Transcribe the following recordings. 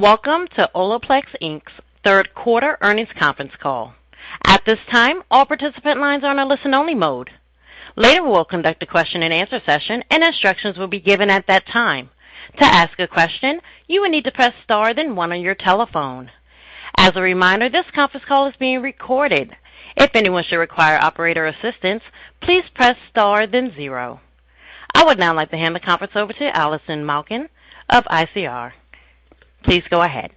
Welcome to Olaplex Inc.'s Third Quarter Earnings Conference Call. At this time, all participant lines are on a listen-only mode. Later, we'll conduct a question-and-answer session, and instructions will be given at that time. To ask a question, you will need to press star then one on your telephone. As a reminder, this conference call is being recorded. If anyone should require operator assistance, please press star then zero. I would now like to hand the conference over to Allison Malkin of ICR. Please go ahead.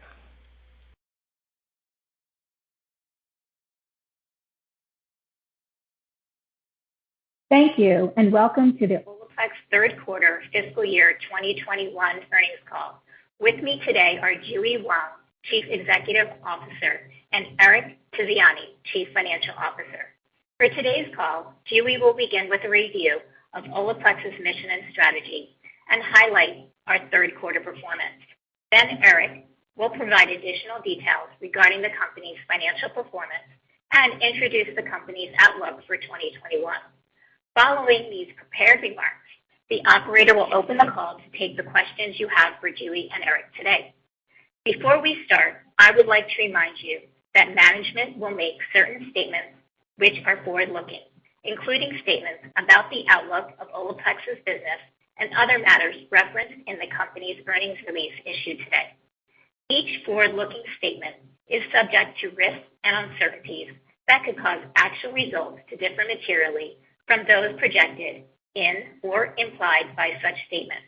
Thank you, and welcome to the Olaplex Third Quarter Fiscal Year 2021 Earnings Call. With me today are JuE Wong, Chief Executive Officer, and Eric Tiziani, Chief Financial Officer. For today's call, JuE will begin with a review of Olaplex's mission and strategy and highlight our third quarter performance. Then Eric will provide additional details regarding the company's financial performance and introduce the company's outlook for 2021. Following these prepared remarks, the operator will open the call to take the questions you have for JuE and Eric today. Before we start, I would like to remind you that management will make certain statements which are forward-looking, including statements about the outlook of Olaplex's business and other matters referenced in the company's earnings release issued today. Each forward-looking statement is subject to risks and uncertainties that could cause actual results to differ materially from those projected in or implied by such statements.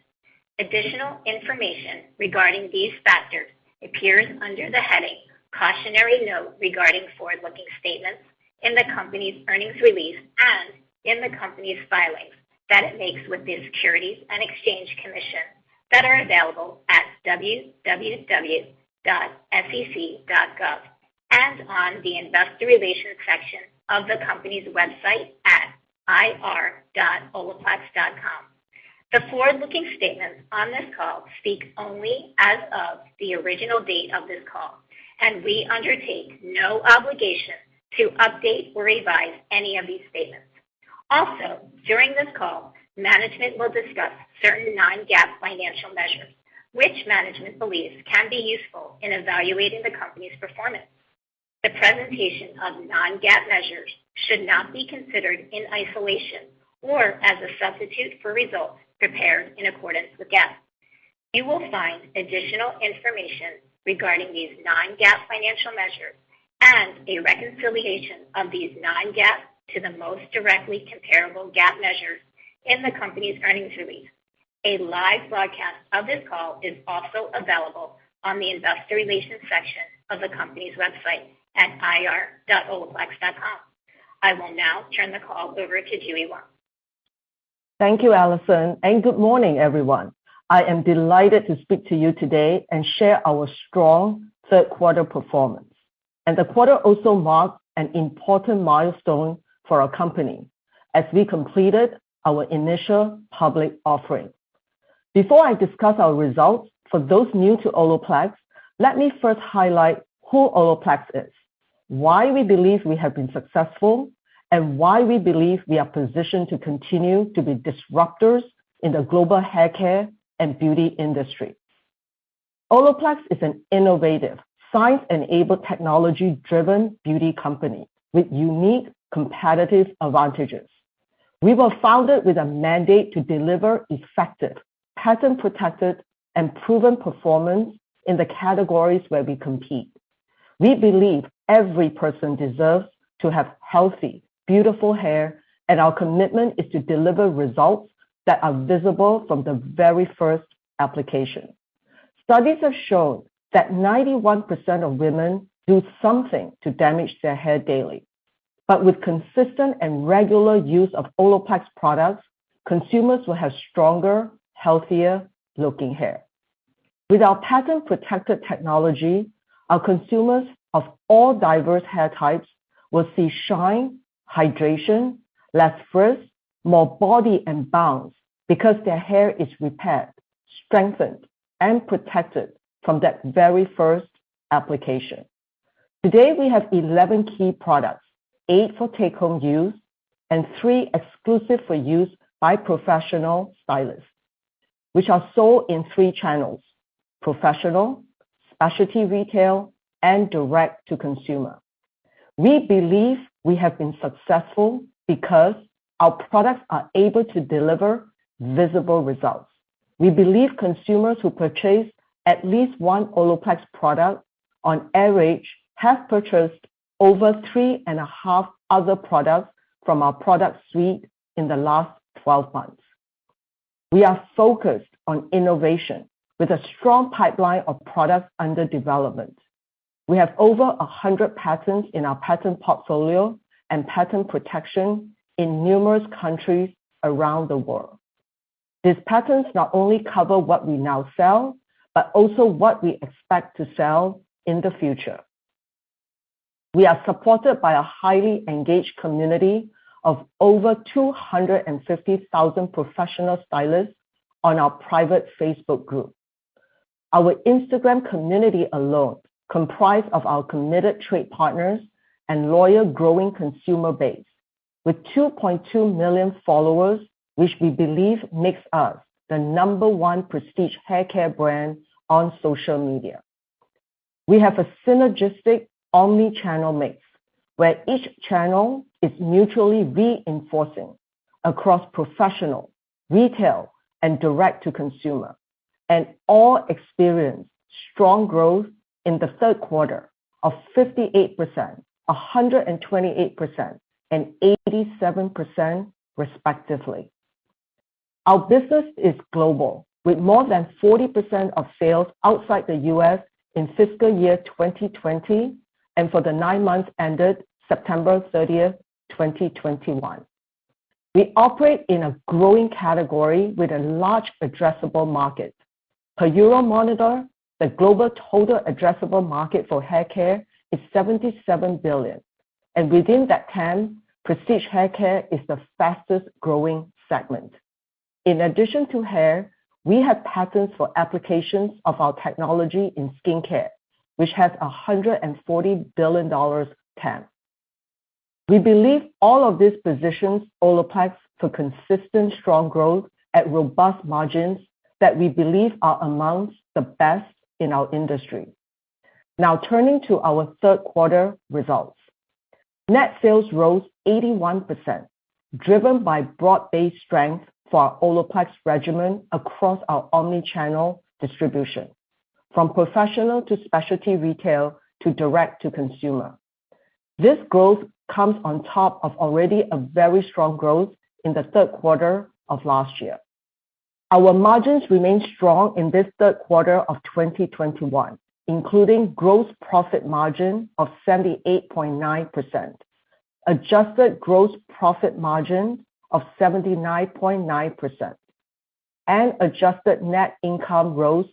Additional information regarding these factors appears under the heading Cautionary Note regarding Forward-Looking Statements in the company's earnings release and in the company's filings that it makes with the Securities and Exchange Commission that are available at www.sec.gov, and on the investor relations section of the company's website at ir.olaplex.com. The forward-looking statements on this call speak only as of the original date of this call, and we undertake no obligation to update or revise any of these statements. Also, during this call, management will discuss certain non-GAAP financial measures which management believes can be useful in evaluating the company's performance. The presentation of non-GAAP measures should not be considered in isolation or as a substitute for results prepared in accordance with GAAP. You will find additional information regarding these non-GAAP financial measures and a reconciliation of these non-GAAP to the most directly comparable GAAP measures in the company's earnings release. A live broadcast of this call is also available on the investor relations section of the company's website at ir.olaplex.com. I will now turn the call over to JuE Wong. Thank you, Allison, and good morning, everyone. I am delighted to speak to you today and share our strong third quarter performance. The quarter also marked an important milestone for our company as we completed our initial public offering. Before I discuss our results, for those new to Olaplex, let me first highlight who Olaplex is, why we believe we have been successful, and why we believe we are positioned to continue to be disruptors in the global haircare and beauty industry. Olaplex is an innovative, science-enabled, technology-driven beauty company with unique competitive advantages. We were founded with a mandate to deliver effective, patent-protected, and proven performance in the categories where we compete. We believe every person deserves to have healthy, beautiful hair, and our commitment is to deliver results that are visible from the very first application. Studies have shown that 91% of women do something to damage their hair daily. With consistent and regular use of Olaplex products, consumers will have stronger, healthier-looking hair. With our patent-protected technology, our consumers of all diverse hair types will see shine, hydration, less frizz, more body, and bounce because their hair is repaired, strengthened, and protected from that very first application. Today, we have 11 key products, eight for take-home use and three exclusive for use by professional stylists, which are sold in three channels, professional, specialty retail, and direct-to-consumer. We believe we have been successful because our products are able to deliver visible results. We believe consumers who purchase at least one Olaplex product on average have purchased over three and a half other products from our product suite in the last 12 months. We are focused on innovation with a strong pipeline of products under development. We have over 100 patents in our patent portfolio and patent protection in numerous countries around the world. These patents not only cover what we now sell, but also what we expect to sell in the future. We are supported by a highly engaged community of over 250,000 professional stylists on our private Facebook group. Our Instagram community alone, comprised of our committed trade partners and loyal, growing consumer base with 2.2 million followers, which we believe makes us the number one prestige haircare brand on social media. We have a synergistic omni-channel mix, where each channel is mutually reinforcing across professional, retail, and direct-to-consumer, and all experience strong growth in the third quarter of 58%, 128%, and 87% respectively. Our business is global, with more than 40% of sales outside the U.S. in fiscal year 2020, and for the nine months ended September 30, 2021. We operate in a growing category with a large addressable market. Per Euromonitor, the global total addressable market for haircare is $77 billion, and within that TAM, prestige haircare is the fastest-growing segment. In addition to hair, we have patents for applications of our technology in skincare, which has a $140 billion TAM. We believe all of this positions Olaplex for consistent strong growth at robust margins that we believe are amongst the best in our industry. Now turning to our third quarter results. Net sales rose 81%, driven by broad-based strength for our Olaplex regimen across our omni-channel distribution, from professional to specialty retail to direct-to-consumer. This growth comes on top of already a very strong growth in the third quarter of last year. Our margins remained strong in this third quarter of 2021, including gross profit margin of 78.9%, adjusted gross profit margin of 79.9%, and adjusted net income rose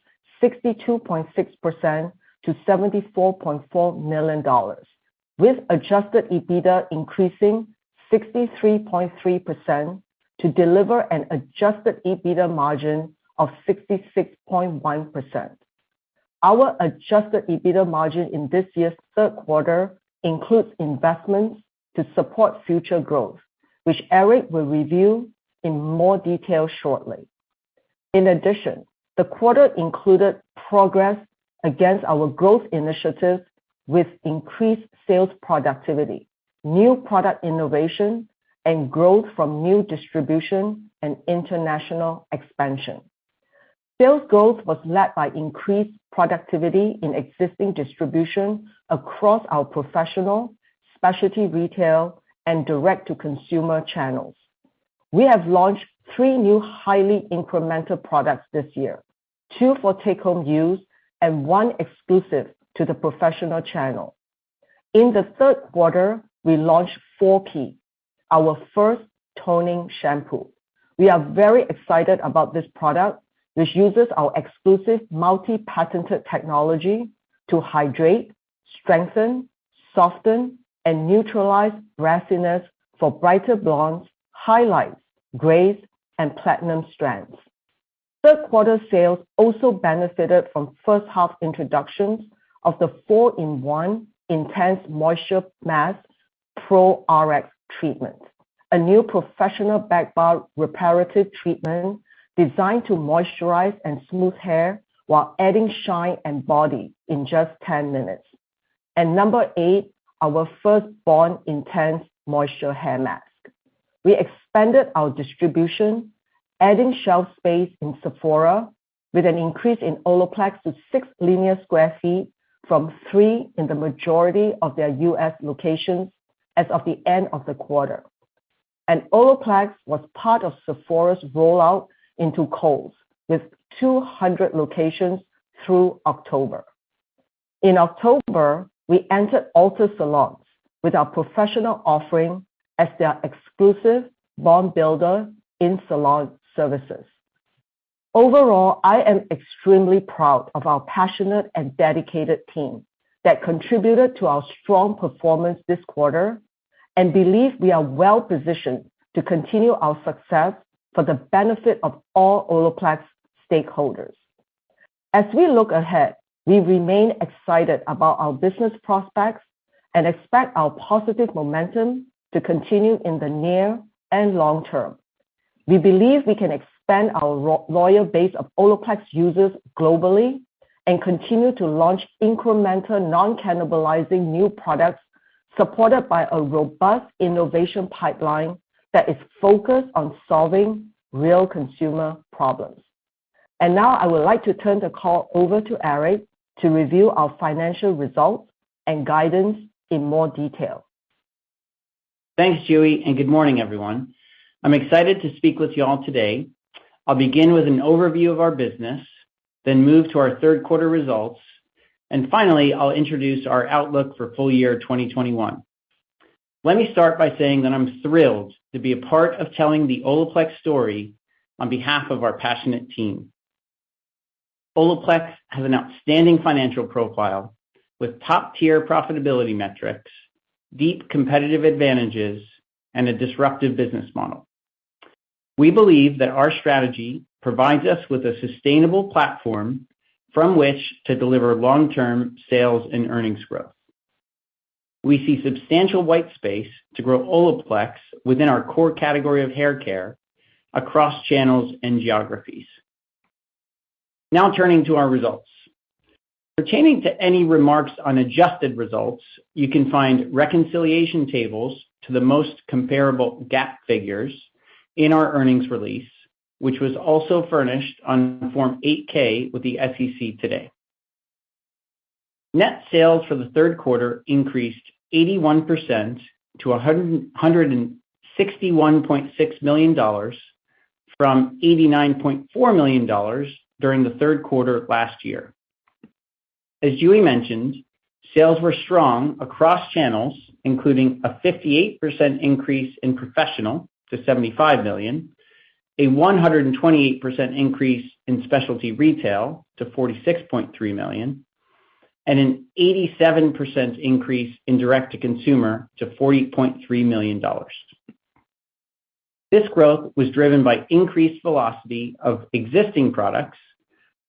62.6% to $74.4 million, with adjusted EBITDA increasing 63.3% to deliver an adjusted EBITDA margin of 66.1%. Our adjusted EBITDA margin in this year's third quarter includes investments to support future growth, which Eric will review in more detail shortly. In addition, the quarter included progress against our growth initiatives with increased sales productivity, new product innovation, and growth from new distribution and international expansion. Sales growth was led by increased productivity in existing distribution across our professional, specialty retail, and direct-to-consumer channels. We have launched three new highly incremental products this year, two for take-home use and one exclusive to the professional channel. In the third quarter, we launched Nº.4P, our first toning shampoo. We are very excited about this product, which uses our exclusive multi-patented technology to hydrate, strengthen, soften, and neutralize brassiness for brighter blondes, highlights, grays, and platinum strands. Third quarter sales also benefited from first half introductions of the 4-in-1 Moisture Mask Pro RX treatment, a new professional backbar reparative treatment designed to moisturize and smooth hair while adding shine and body in just 10 minutes, and Nº.8, our first Bond Intense Moisture Mask. We expanded our distribution, adding shelf space in Sephora with an increase in Olaplex to six linear sq ft from three in the majority of their U.S. locations as of the end of the quarter. Olaplex was part of Sephora's rollout into Kohl's with 200 locations through October. In October, we entered Ulta salons with our professional offering as their exclusive bond builder in salon services. Overall, I am extremely proud of our passionate and dedicated team that contributed to our strong performance this quarter and believe we are well-positioned to continue our success for the benefit of all Olaplex stakeholders. As we look ahead, we remain excited about our business prospects and expect our positive momentum to continue in the near-and long-term. We believe we can expand our loyal base of Olaplex users globally and continue to launch incremental non-cannibalizing new products supported by a robust innovation pipeline that is focused on solving real consumer problems. Now I would like to turn the call over to Eric to review our financial results and guidance in more detail. Thanks, JuE, and good morning, everyone. I'm excited to speak with you all today. I'll begin with an overview of our business, then move to our third quarter results, and finally, I'll introduce our outlook for full-year 2021. Let me start by saying that I'm thrilled to be a part of telling the Olaplex story on behalf of our passionate team. Olaplex has an outstanding financial profile with top-tier profitability metrics, deep competitive advantages, and a disruptive business model. We believe that our strategy provides us with a sustainable platform from which to deliver long-term sales and earnings growth. We see substantial white space to grow Olaplex within our core category of hair care across channels and geographies. Now turning to our results. Pertaining to any remarks on adjusted results, you can find reconciliation tables to the most comparable GAAP figures in our earnings release, which was also furnished on Form 8-K with the SEC today. Net sales for the third quarter increased 81% to $161.6 million from $89.4 million during the third quarter of last year. As JuE mentioned, sales were strong across channels, including a 58% increase in professional to $75 million, a 128% increase in specialty retail to $46.3 million, and an 87% increase in direct-to-consumer to $40.3 million. This growth was driven by increased velocity of existing products,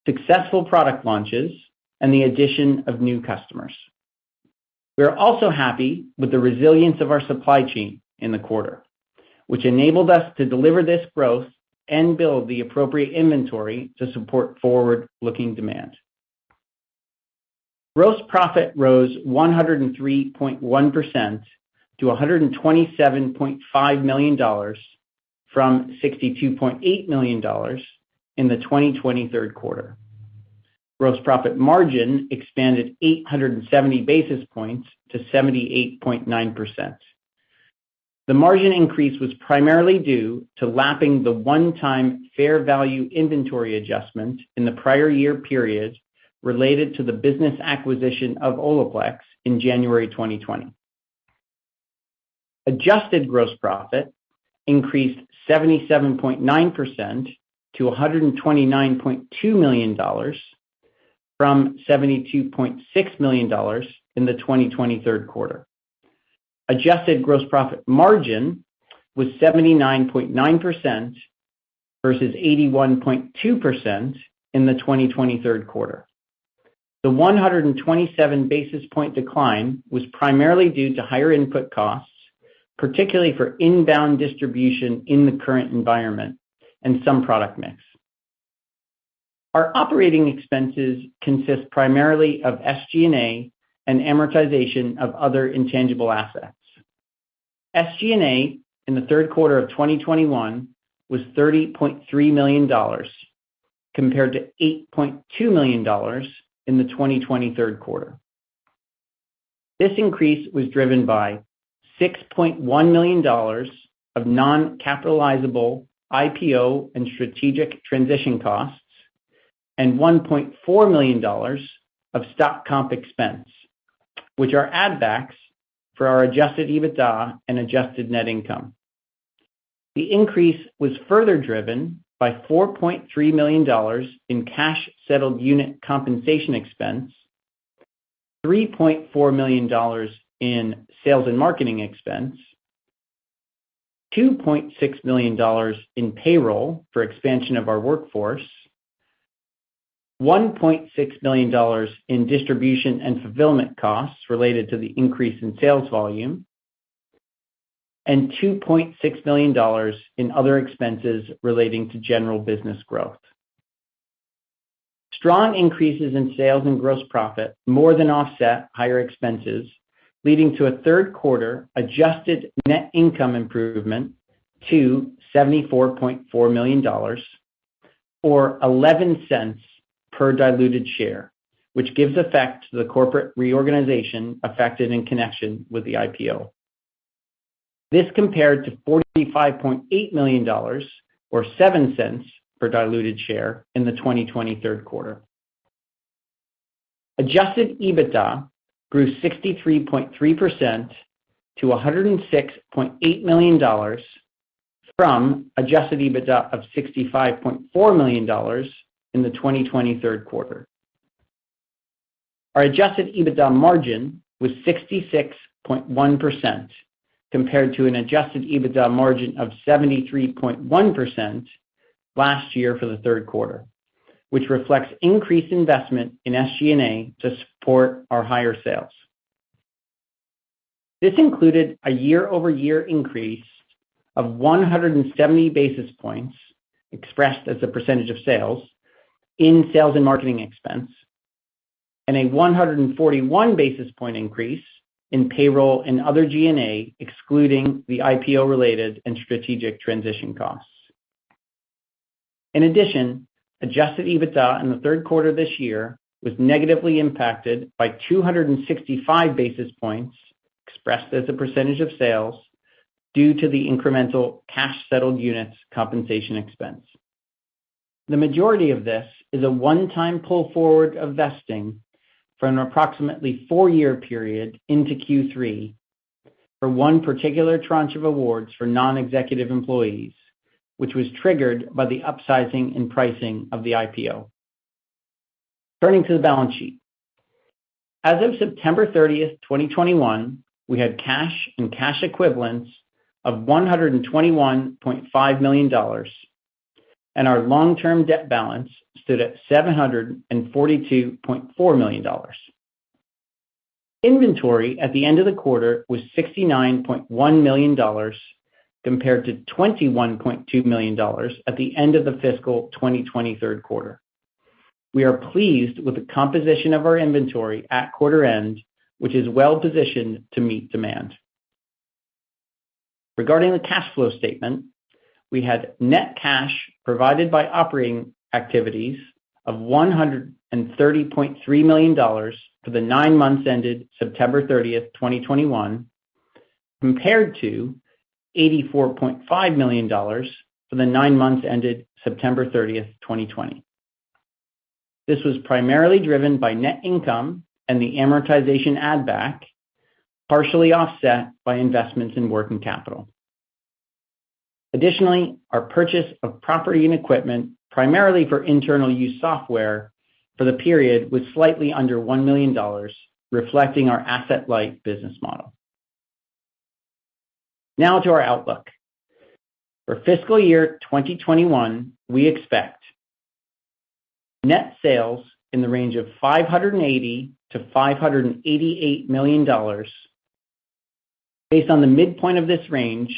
successful product launches, and the addition of new customers. We are also happy with the resilience of our supply chain in the quarter, which enabled us to deliver this growth and build the appropriate inventory to support forward-looking demand. Gross profit rose 103.1% to $127.5 million from $62.8 million in the 2020 third quarter. Gross profit margin expanded 870 basis points to 78.9%. The margin increase was primarily due to lapping the one-time fair value inventory adjustment in the prior-year period related to the business acquisition of Olaplex in January 2020. Adjusted gross profit increased 77.9% to $129.2 million from $72.6 million in the 2020 third quarter. Adjusted gross profit margin was 79.9% versus 81.2% in the 2020 third quarter. The 127 basis points decline was primarily due to higher input costs, particularly for inbound distribution in the current environment and some product mix. Our operating expenses consist primarily of SG&A and amortization of other intangible assets. SG&A in the third quarter of 2021 was $30.3 million compared to $8.2 million in the 2020 third quarter. This increase was driven by $6.1 million of non-capitalizable IPO and strategic transition costs and $1.4 million of stock comp expense, which are add backs for our adjusted EBITDA and adjusted net income. The increase was further driven by $4.3 million in cash-settled unit compensation expense, $3.4 million in sales and marketing expense, $2.6 million in payroll for expansion of our workforce, $1.6 million in distribution and fulfillment costs related to the increase in sales volume, and $2.6 million in other expenses relating to general business growth. Strong increases in sales and gross profit more than offset higher expenses, leading to a third quarter adjusted net income improvement to $74.4 million or $0.11 per diluted share, which gives effect to the corporate reorganization effected in connection with the IPO. This compared to $45.8 million or $0.07 per diluted share in the 2020 quarter. Adjusted EBITDA grew 63.3% to $106.8 million from adjusted EBITDA of $65.4 million in the 2020 third quarter. Our adjusted EBITDA margin was 66.1% compared to an adjusted EBITDA margin of 73.1% last year for the third quarter, which reflects increased investment in SG&A to support our higher sales. This included a year-over-year increase of 170 basis points, expressed as a percentage of sales, in sales and marketing expense and a 141 basis point increase in payroll and other G&A, excluding the IPO-related and strategic transition costs. In addition, adjusted EBITDA in the third quarter this year was negatively impacted by 265 basis points, expressed as a percentage of sales, due to the incremental cash-settled units compensation expense. The majority of this is a one-time pull forward of vesting for an approximately four-year period into Q3 for one particular tranche of awards for non-executive employees, which was triggered by the upsizing and pricing of the IPO. Turning to the balance sheet. As of September 30, 2021, we had cash and cash equivalents of $121.5 million, and our long-term debt balance stood at $742.4 million. Inventory at the end of the quarter was $69.1 million compared to $21.2 million at the end of the fiscal 2020 third quarter. We are pleased with the composition of our inventory at quarter end, which is well-positioned to meet demand. Regarding the cash flow statement, we had net cash provided by operating activities of $130.3 million for the nine months ended September 30, 2021, compared to $84.5 million for the nine months ended September 30, 2020. This was primarily driven by net income and the amortization add back, partially offset by investments in working capital. Additionally, our purchase of property and equipment, primarily for internal use software for the period, was slightly under $1 million, reflecting our asset-light business model. Now to our outlook. For fiscal year 2021, we expect net sales in the range of $580 million-$588 million. Based on the midpoint of this range,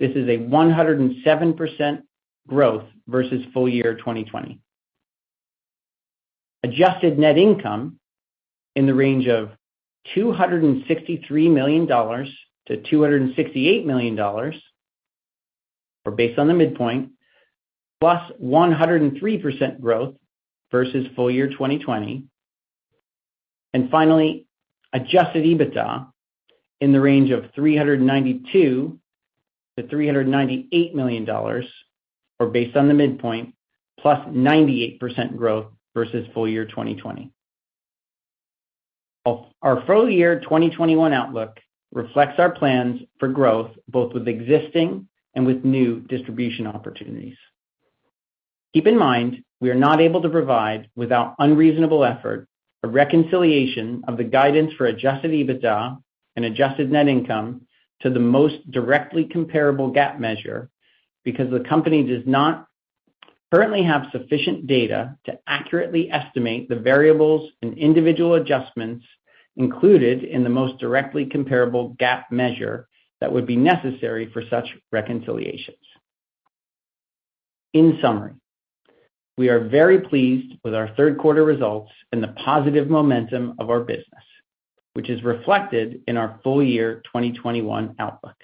this is a 107% growth versus full-year 2020. Adjusted net income in the range of $263 million-$268 million, or based on the midpoint, +103% growth versus full-year 2020. Finally, adjusted EBITDA in the range of $392 million-$398 million, or based on the midpoint, +98% growth versus full-year 2020. Our full-year 2021 outlook reflects our plans for growth, both with existing and with new distribution opportunities. Keep in mind, we are not able to provide without unreasonable effort, a reconciliation of the guidance for adjusted EBITDA and adjusted net income to the most directly comparable GAAP measure, because the company does not currently have sufficient data to accurately estimate the variables and individual adjustments included in the most directly comparable GAAP measure that would be necessary for such reconciliations. In summary, we are very pleased with our third quarter results and the positive momentum of our business, which is reflected in our full-year 2021 outlook.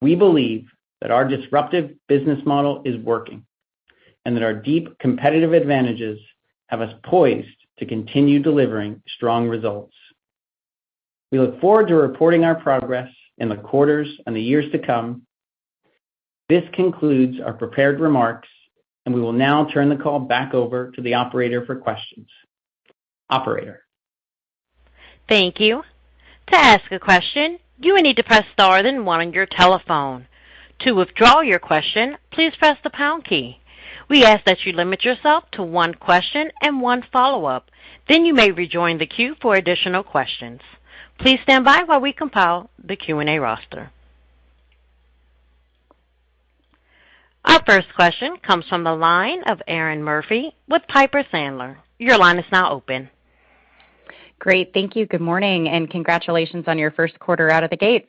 We believe that our disruptive business model is working and that our deep competitive advantages have us poised to continue delivering strong results. We look forward to reporting our progress in the quarters and the years to come. This concludes our prepared remarks, and we will now turn the call back over to the operator for questions. Operator? Thank you. To ask a question, you will need to press star then one on your telephone. To withdraw your question, please press the pound key. We ask that you limit yourself to one question and one follow-up, then you may rejoin the queue for additional questions. Please stand by while we compile the Q&A roster. Our first question comes from the line of Erinn Murphy with Piper Sandler. Your line is now open. Great. Thank you. Good morning, and congratulations on your first quarter out of the gates.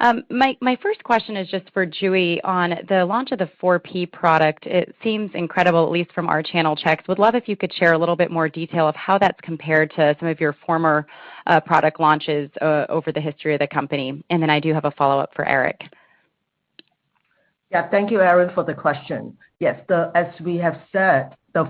My first question is just for JuE on the launch of the Nº.4P product. It seems incredible, at least from our channel checks. Would love if you could share a little bit more detail of how that's compared to some of your former product launches over the history of the company. I do have a follow-up for Eric. Yeah. Thank you, Erinn, for the question. Yes. As we have said, the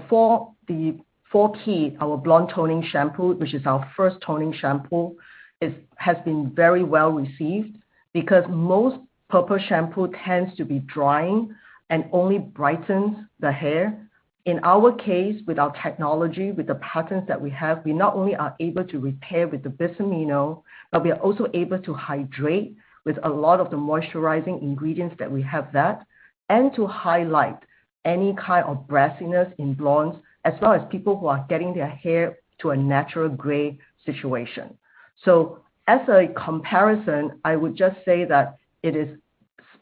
Nº.4P Blonde Toning Shampoo, which is our first toning shampoo, has been very well received because most purple shampoo tends to be drying and only brightens the hair. In our case, with our technology, with the patents that we have, we not only are able to repair with the Bis-Aminopropyl, but we are also able to hydrate with a lot of the moisturizing ingredients that we have, and to highlight any kind of brassiness in blondes, as well as people who are getting their hair to a natural gray situation. As a comparison, I would just say that it is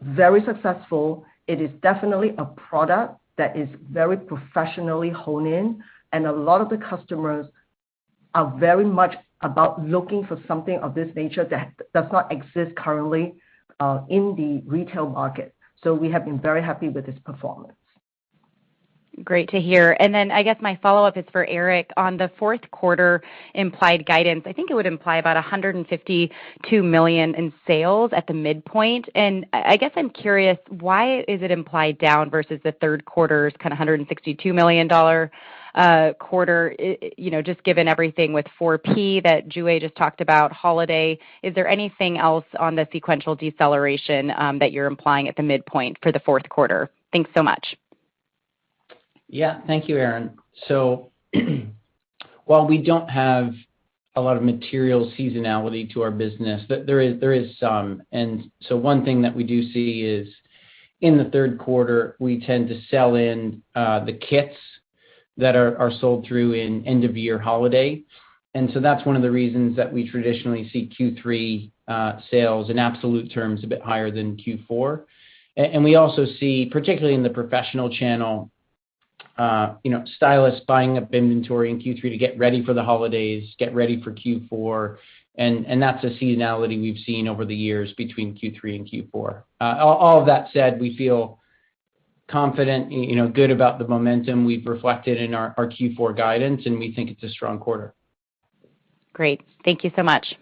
very successful. It is definitely a product that is very professionally honed in, and a lot of the customers are very much about looking for something of this nature that does not exist currently, in the retail market. We have been very happy with this performance. Great to hear. Then I guess my follow-up is for Eric on the fourth quarter implied guidance. I think it would imply about $152 million in sales at the mid-point. I guess I'm curious, why is it implied down versus the third quarter's kind of $162 million quarter? You know, just given everything with Nº.4P that JuE just talked about, holiday. Is there anything else on the sequential deceleration that you're implying at the midpoint for the fourth quarter? Thanks so much. Yeah. Thank you, Erinn. While we don't have a lot of material seasonality to our business. There is some. One thing that we do see is in the third quarter, we tend to sell in the kits that are sold through in end of year holiday. That's one of the reasons that we traditionally see Q3 sales in absolute terms a bit higher than Q4. We also see, particularly in the professional channel, you know, stylists buying up inventory in Q3 to get ready for the holidays, get ready for Q4, and that's a seasonality we've seen over the years between Q3 and Q4. All of that said, we feel confident, you know, good about the momentum we've reflected in our Q4 guidance, and we think it's a strong quarter. Great. Thank you so much.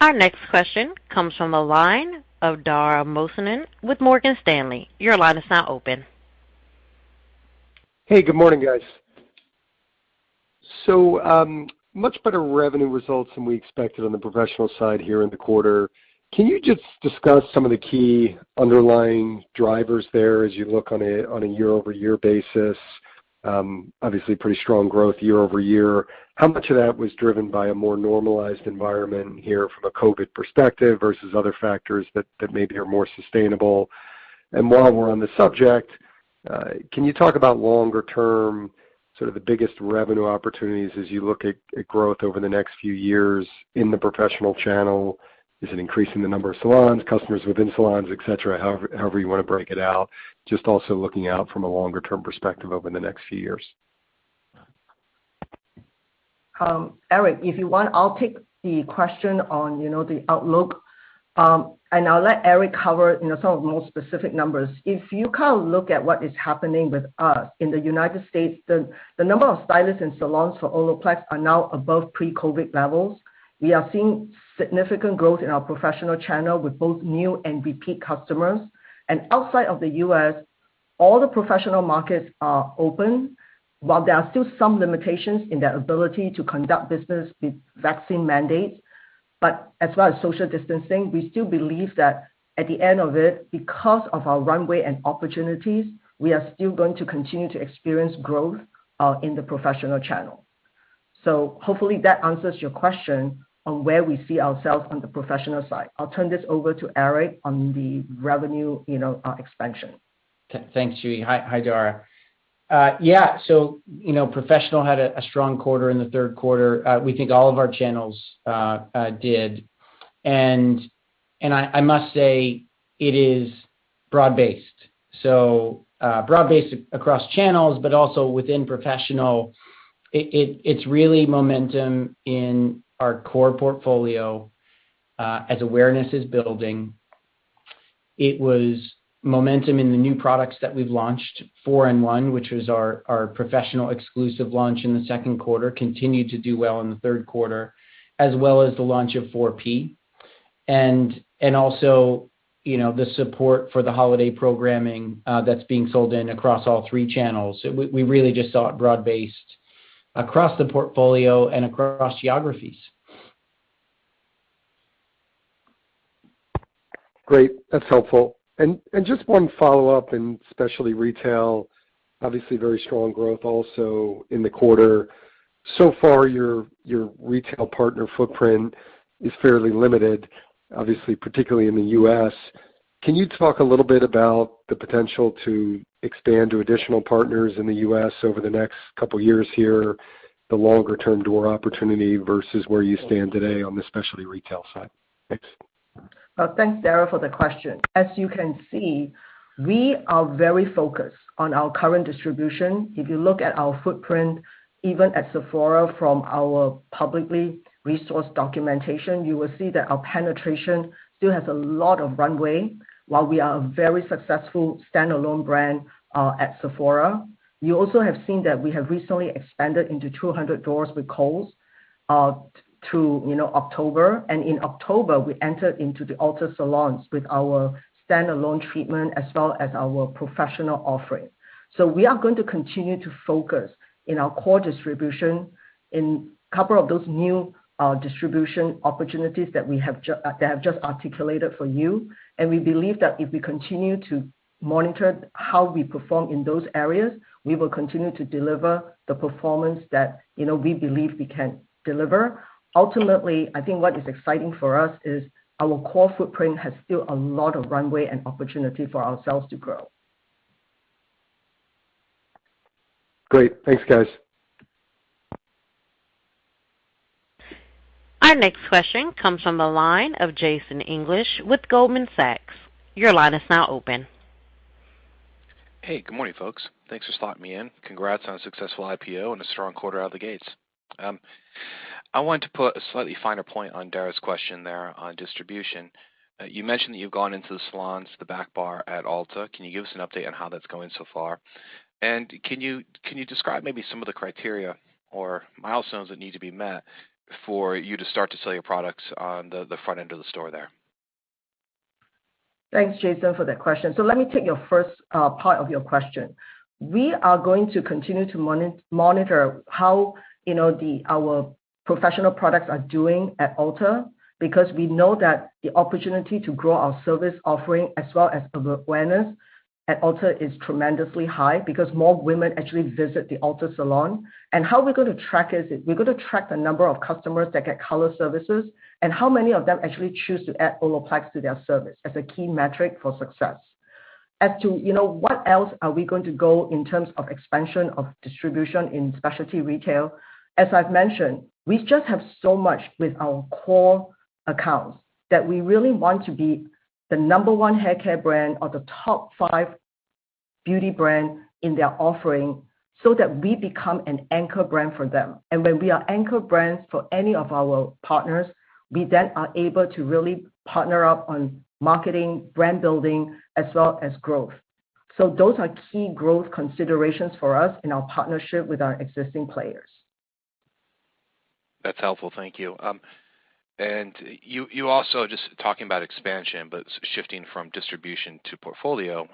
Our next question comes from the line of Dara Mohsenian with Morgan Stanley. Your line is now open. Hey, good morning, guys. Much better revenue results than we expected on the professional side here in the quarter. Can you just discuss some of the key underlying drivers there as you look on a year-over-year basis? Obviously pretty strong growth year-over-year. How much of that was driven by a more normalized environment here from a COVID perspective versus other factors that maybe are more sustainable? While we're on the subject, can you talk about longer term, sort of the biggest revenue opportunities as you look at growth over the next few years in the professional channel? Is it increasing the number of salons, customers within salons, etc? However you wanna break it out. Just also looking out from a longer term perspective over the next few years. Eric, if you want, I'll take the question on, you know, the outlook. And I'll let Eric cover, you know, some of the more specific numbers. If you kind of look at what is happening with us in the United States, the number of stylists and salons for Olaplex are now above pre-COVID levels. We are seeing significant growth in our professional channel with both new and repeat customers. Outside of the U.S., all the professional markets are open. While there are still some limitations in their ability to conduct business with vaccine mandates, but as well as social distancing, we still believe that at the end of it, because of our runway and opportunities, we are still going to continue to experience growth in the professional channel. Hopefully that answers your question on where we see ourselves on the professional side. I'll turn this over to Eric on the revenue, you know, expansion. Thanks, JuE. Hi, Dara. Yeah. So, you know, professional had a strong quarter in the third quarter. We think all of our channels did. I must say it is broad-based. Broad-based across channels, but also within professional. It's really momentum in our core portfolio as awareness is building. It was momentum in the new products that we've launched, 4-in-1, which was our professional exclusive launch in the second quarter, continued to do well in the third quarter, as well as the launch of Nº.4P and also, you know, the support for the holiday programming that's being sold in across all three channels. We really just saw it broad-based across the portfolio and across geographies. Great, that's helpful. Just one follow-up in specialty retail. Obviously very strong growth also in the quarter. So far your retail partner footprint is fairly limited, obviously, particularly in the U.S.. Can you talk a little bit about the potential to expand to additional partners in the U.S. over the next couple years here, the longer-term door opportunity versus where you stand today on the specialty retail side? Thanks. Thanks, Dara, for the question. As you can see, we are very focused on our current distribution. If you look at our footprint, even at Sephora from our publicly resourced documentation, you will see that our penetration still has a lot of runway. While we are a very successful standalone brand at Sephora, you also have seen that we have recently expanded into 200 doors with Kohl's through, you know, October. In October, we entered into the Ulta salons with our standalone treatment as well as our professional offering. We are going to continue to focus in our core distribution in a couple of those new distribution opportunities that we have that I've just articulated for you. We believe that if we continue to monitor how we perform in those areas, we will continue to deliver the performance that, you know, we believe we can deliver. Ultimately, I think what is exciting for us is our core footprint has still a lot of runway and opportunity for ourselves to grow. Great. Thanks, guys. Our next question comes from the line of Jason English with Goldman Sachs. Your line is now open. Hey, good morning, folks. Thanks for slotting me in. Congrats on a successful IPO and a strong quarter out of the gates. I wanted to put a slightly finer point on Dara's question there on distribution. You mentioned that you've gone into the salons, the back bar at Ulta. Can you give us an update on how that's going so far? And can you describe maybe some of the criteria or milestones that need to be met for you to start to sell your products on the front-end of the store there? Thanks, Jason, for that question. Let me take your first part of your question. We are going to continue to monitor how, you know, our professional products are doing at Ulta because we know that the opportunity to grow our service offering as well as awareness at Ulta is tremendously high because more women actually visit the Ulta salon. How we're gonna track is we're gonna track the number of customers that get color services and how many of them actually choose to add Olaplex to their service as a key metric for success. As to, you know, what else are we going to go in terms of expansion of distribution in specialty retail, as I've mentioned, we just have so much with our core accounts that we really want to be the number one haircare brand or the top five beauty brand in their offering so that we become an anchor brand for them. When we are anchor brands for any of our partners, we then are able to really partner up on marketing, brand building, as well as growth. Those are key growth considerations for us in our partnership with our existing players. That's helpful. Thank you. You also just talking about expansion, but shifting from distribution to portfolio.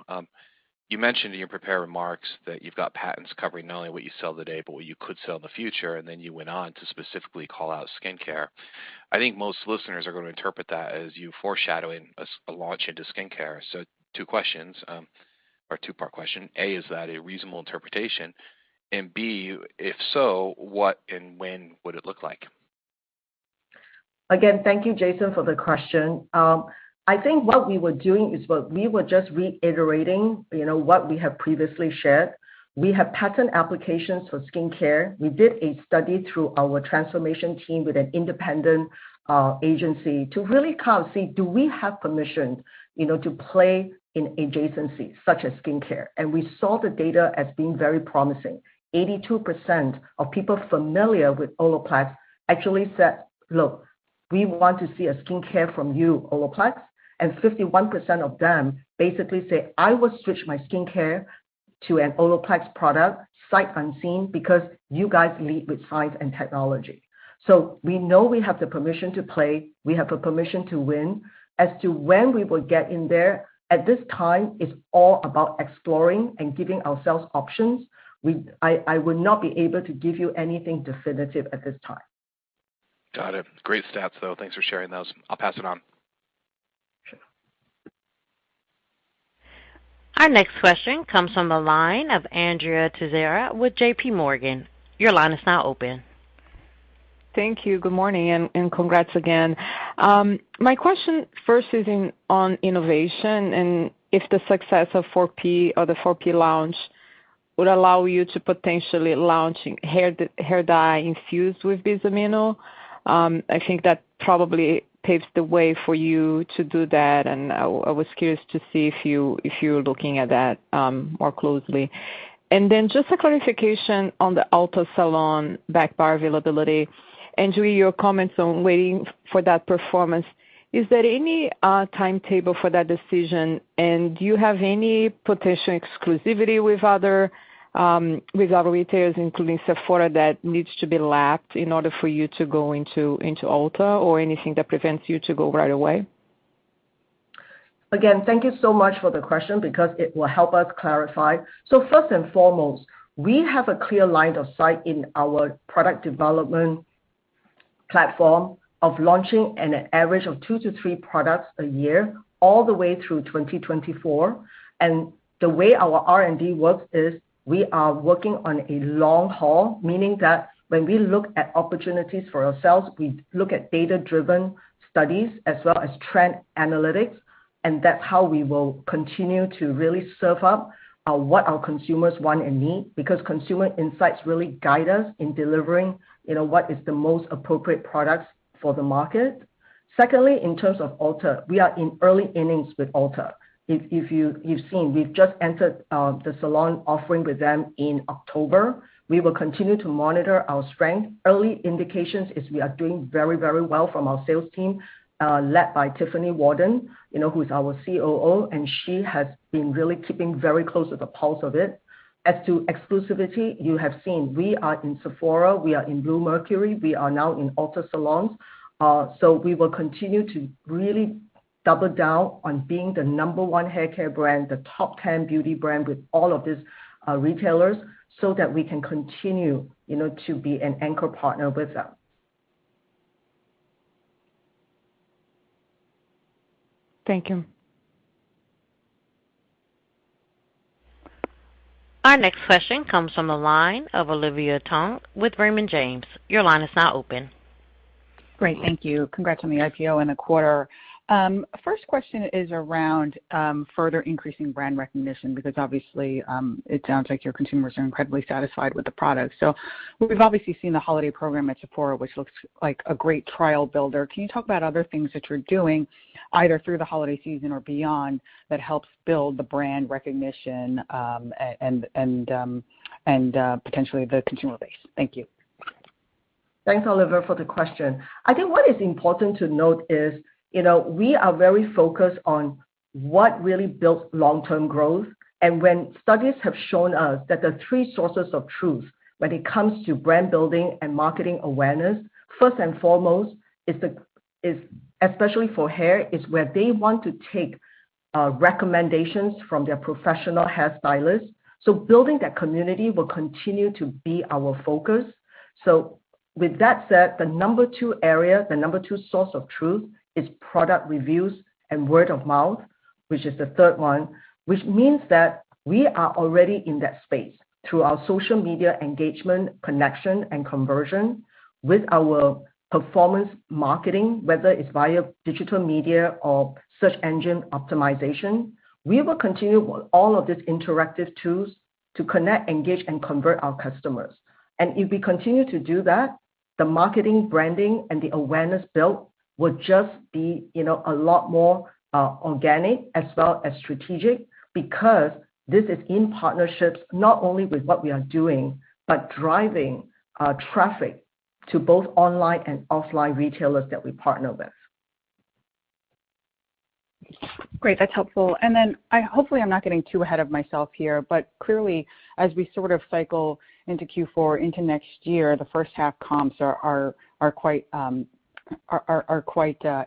You mentioned in your prepared remarks that you've got patents covering not only what you sell today but what you could sell in the future, and then you went on to specifically call out skincare. I think most listeners are gonna interpret that as you foreshadowing a launch into skincare. Two questions, or two-part question. A, is that a reasonable interpretation? B, if so, what and when would it look like? Again, thank you, Jason, for the question. I think what we were doing is what we were just reiterating, you know, what we have previously shared. We have patent applications for skincare. We did a study through our transformation team with an independent agency to really kind of see, do we have permission, you know, to play in adjacencies such as skincare? We saw the data as being very promising. 82% of people familiar with Olaplex actually said, "Look, we want to see a skincare from you, Olaplex." 51% of them basically say, "I would switch my skincare to an Olaplex product sight unseen because you guys lead with science and technology." We know we have the permission to play. We have the permission to win. As to when we will get in there, at this time, it's all about exploring and giving ourselves options. I would not be able to give you anything definitive at this time. Got it. Great stats, though. Thanks for sharing those. I'll pass it on. Sure. Our next question comes from the line of Andrea Teixeira with JPMorgan. Your line is now open. Thank you. Good morning, and congrats again. My question first is on innovation and if the success of 4P or the 4P launch would allow you to potentially launching hair dye infused with bis-aminopropyl. I think that probably paves the way for you to do that, and I was curious to see if you're looking at that more closely. Then just a clarification on the Ulta salon backbar availability. JuE, your comments on waiting for that performance, is there any timetable for that decision? Do you have any potential exclusivity with other retailers, including Sephora, that needs to be lapped in order for you to go into Ulta or anything that prevents you to go right away? Again, thank you so much for the question because it will help us clarify. First and foremost, we have a clear line of sight in our product development platform of launching an average of two-three products a year all the way through 2024. The way our R&D works is we are working on a long haul, meaning that when we look at opportunities for ourselves, we look at data-driven studies as well as trend analytics, and that's how we will continue to really serve up what our consumers want and need because consumer insights really guide us in delivering, you know, what is the most appropriate products for the market. Secondly, in terms of Ulta, we are in early innings with Ulta. If you've seen, we've just entered the salon offering with them in October. We will continue to monitor our strength. Early indications is we are doing very, very well from our sales team, led by Tiffany Walden, you know, who's our COO, and she has been really keeping very close to the pulse of it. As to exclusivity, you have seen we are in Sephora. We are in Bluemercury. We are now in Ulta salons. We will continue to really double-down on being the number one haircare brand, the top 10 beauty brand with all of these retailers, so that we can continue, you know, to be an anchor partner with them. Thank you. Our next question comes from the line of Olivia Tong with Raymond James. Your line is now open. Great. Thank you. Congrats on the IPO and the quarter. First question is around further increasing brand recognition because obviously it sounds like your consumers are incredibly satisfied with the product. We've obviously seen the holiday program at Sephora, which looks like a great trial builder. Can you talk about other things that you're doing either through the holiday season or beyond that helps build the brand recognition and potentially the consumer base? Thank you. Thanks, Olivia, for the question. I think what is important to note is, you know, we are very focused on what really builds long-term growth. When studies have shown us that the three sources of truth when it comes to brand building and marketing awareness, first and foremost is, especially for hair, where they want to take recommendations from their professional hairstylist. Building that community will continue to be our focus. With that said, the number two areas, the number two source of truth is product reviews and word of mouth, which is the third one, which means that we are already in that space through our social media engagement, connection, and conversion with our performance marketing, whether it's via digital media or search engine optimization. We will continue all of these interactive tools to connect, engage, and convert our customers. If we continue to do that, the marketing, branding, and the awareness built will just be, you know, a lot more organic as well as strategic, because this is in partnerships, not only with what we are doing, but driving traffic to both online and offline retailers that we partner with. Great. That's helpful. Then, hopefully, I'm not getting too ahead of myself here, but clearly, as we sort of cycle into Q4 into next year, the first half comps are quite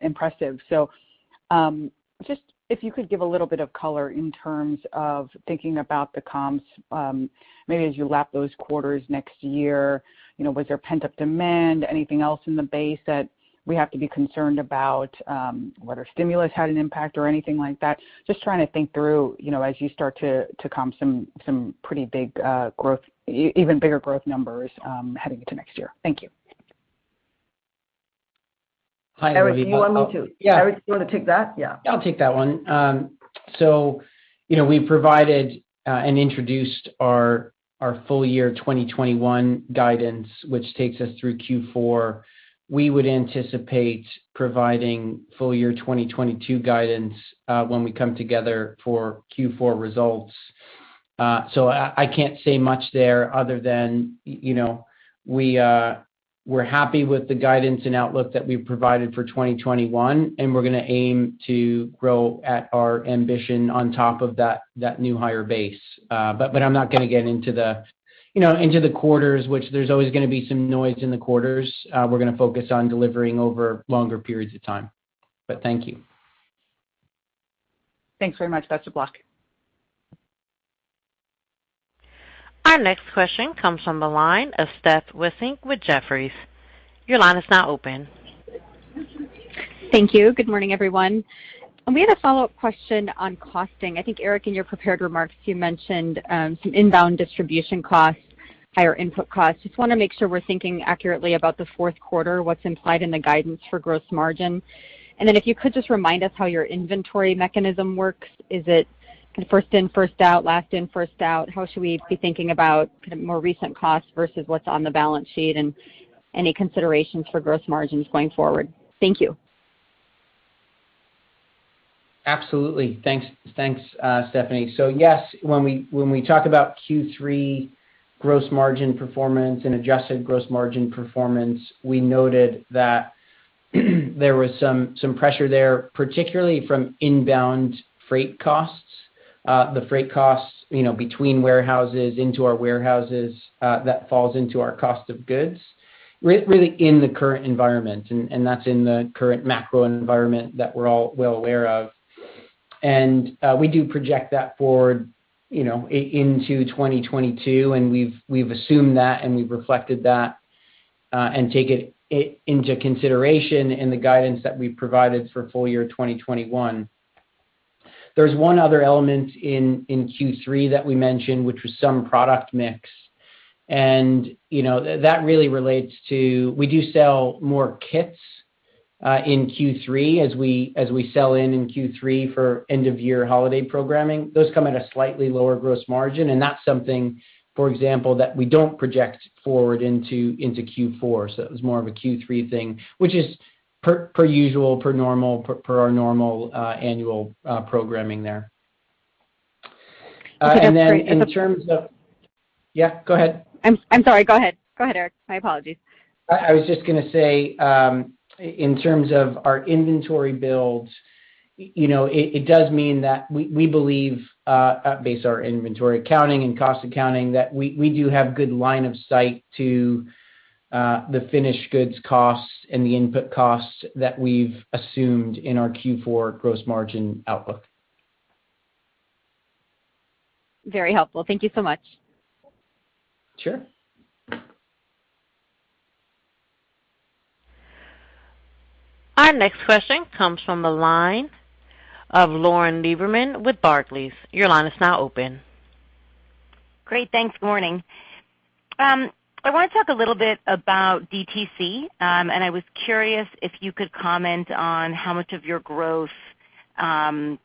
impressive. Just if you could give a little bit of color in terms of thinking about the comps, maybe as you lap those quarters next year, you know, was there pent-up demand, anything else in the base that we have to be concerned about, whether stimulus had an impact or anything like that. Just trying to think through, you know, as you start to comp some pretty big, even bigger growth numbers heading into next year. Thank you. Eric, do you want me to? Hi, Olivia. Eric, do you wanna take that? Yeah. I'll take that one. You know, we provided and introduced our full-year 2021 guidance, which takes us through Q4. We would anticipate providing full-year 2022 guidance when we come together for Q4 results. I can't say much there other than you know, we're happy with the guidance and outlook that we've provided for 2021, and we're gonna aim to grow at our ambition on top of that new higher base. I'm not gonna get into you know, into the quarters, which there's always gonna be some noise in the quarters. We're gonna focus on delivering over longer periods of time. Thank you. Thanks very much. That's a block. Our next question comes from the line of Steph Wissink with Jefferies. Your line is now open. Thank you. Good morning, everyone. We had a follow-up question on costing. I think, Eric, in your prepared remarks, you mentioned some inbound distribution costs, higher input costs. Just wanna make sure we're thinking accurately about the fourth quarter, what's implied in the guidance for gross margin. If you could just remind us how your inventory mechanism works. Is it first in, first out, last in, first out? How should we be thinking about kind of more recent costs versus what's on the balance sheet and any considerations for gross margins going forward? Thank you. Absolutely. Thanks. Thanks, Stephanie. Yes, when we talk about Q3 gross margin performance and adjusted gross margin performance, we noted that there was some pressure there, particularly from inbound freight costs, the freight costs, you know, between warehouses into our warehouses, that falls into our cost of goods really in the current environment, and that's in the current macro environment that we're all well aware of. We do project that forward, you know, into 2022, and we've assumed that, and we've reflected that, and take it into consideration in the guidance that we provided for full-year 2021. There's one other element in Q3 that we mentioned, which was some product mix. You know, that really relates to. We do sell more kits in Q3 as we sell in Q3 for end of year holiday programming. Those come at a slightly lower gross margin, and that's something, for example, that we don't project forward into Q4. It was more of a Q3 thing, which is per usual, per our normal annual programming there. Okay, that's great. Yeah, go ahead. I'm sorry. Go ahead, Eric. My apologies. I was just gonna say, in terms of our inventory builds, you know, it does mean that we believe, based on our inventory accounting and cost accounting, that we do have good line of sight to the finished goods costs and the input costs that we've assumed in our Q4 gross margin outlook. Very helpful. Thank you so much. Sure. Our next question comes from the line of Lauren Lieberman with Barclays. Your line is now open. Great. Thanks. Morning. I wanna talk a little bit about DTC, and I was curious if you could comment on how much of your growth,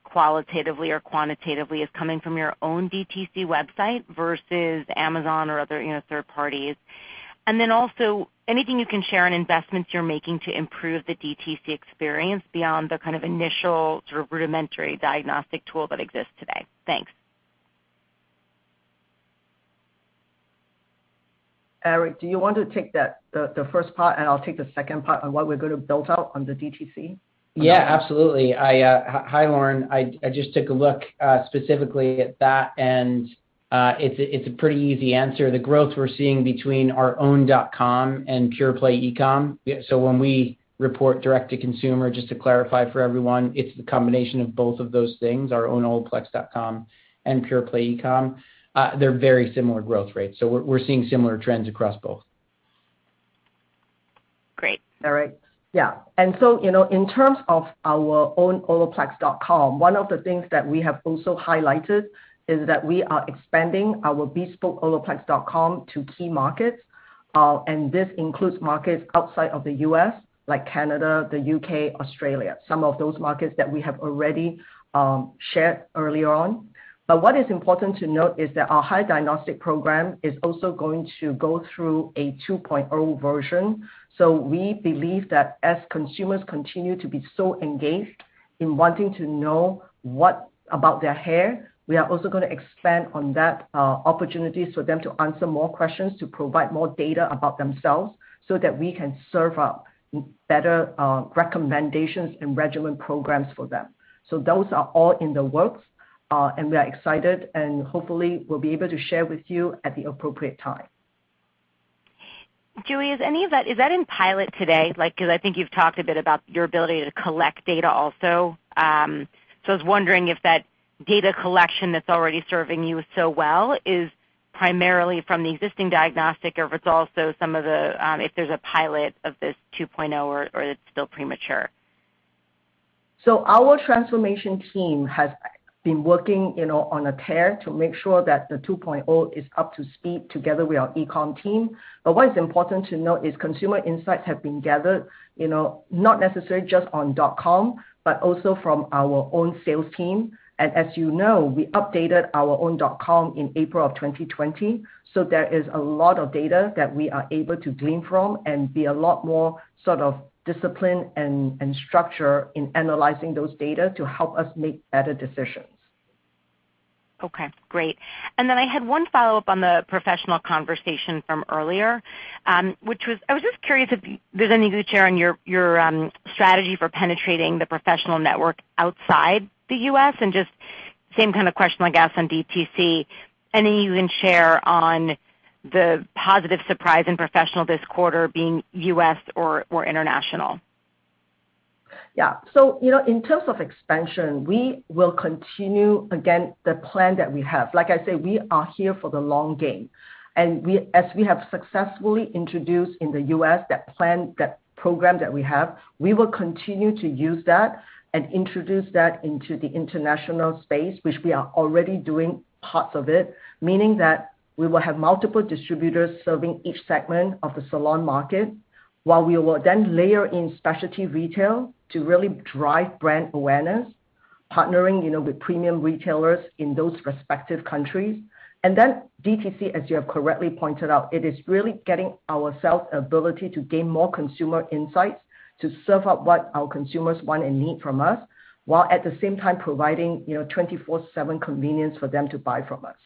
qualitatively or quantitatively is coming from your own DTC website versus Amazon or other, you know, third parties. Then also anything you can share on investments you're making to improve the DTC experience beyond the kind of initial sort of rudimentary diagnostic tool that exists today. Thanks. Eric, do you want to take that, the first part, and I'll take the second part on what we're gonna build out on the DTC? Yeah, absolutely. Hi, Lauren. I just took a look specifically at that, and It's a pretty easy answer. The growth we're seeing between our own dot-com and pure-play e-com. When we report direct-to-consumer, just to clarify for everyone, it's the combination of both of those things, our own olaplex.com and pure-play e-com. They're very similar growth rates, so we're seeing similar trends across both. Great. All right. Yeah. You know, in terms of our own olaplex.com, one of the things that we have also highlighted is that we are expanding our bespoke olaplex.com to key markets, and this includes markets outside of the U.S., like Canada, the U.K., Australia, some of those markets that we have already shared earlier on. What is important to note is that our hair diagnostic program is also going to go through a 2.0 version. We believe that as consumers continue to be so engaged in wanting to know what about their hair, we are also gonna expand on that opportunity for them to answer more questions, to provide more data about themselves so that we can serve up better recommendations and regimen programs for them. Those are all in the works, and we are excited, and hopefully, we'll be able to share with you at the appropriate time. JuE, is that in pilot today? Like, 'cause I think you've talked a bit about your ability to collect data also. I was wondering if that data collection that's already serving you so well is primarily from the existing diagnostic or if it's also some of the, if there's a pilot of this 2.0 or it's still premature. Our transformation team has been working, you know, on a tear to make sure that the 2.0 is up to speed together with our e-com team. What is important to note is consumer insights have been gathered, you know, not necessarily just on dot-com, but also from our own sales team. As you know, we updated our own dot-com in April of 2020, so there is a lot of data that we are able to glean from and be a lot more sort of disciplined and structured in analyzing those data to help us make better decisions. Okay, great. I had one follow-up on the professional conversation from earlier, which was, I was just curious if there's any you could share on your strategy for penetrating the professional network outside the U.S. and just same kind of question, I guess, on DTC. Any you can share on the positive surprise in professional this quarter being U.S. or international. Yeah. You know, in terms of expansion, we will continue, again, the plan that we have. Like I said, we are here for the long game. We, as we have successfully introduced in the U.S. that plan, that program that we have, we will continue to use that and introduce that into the international space, which we are already doing parts of it, meaning that we will have multiple distributors serving each segment of the salon market, while we will then layer in specialty retail to really drive brand awareness, partnering, you know, with premium retailers in those respective countries. DTC, as you have correctly pointed out, it is really getting our sales ability to gain more consumer insights to serve up what our consumers want and need from us, while at the same time providing, you know, 24/7 convenience for them to buy from us.